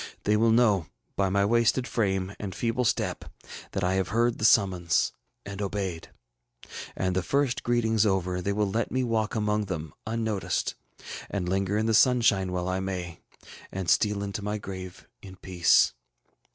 They will know, by my wasted frame and feeble step, that I have heard the summons and obeyed. And, the first greetings over, they will let me walk among them unnoticed, and linger in the sunshine while I may, and steal into my grave in peace.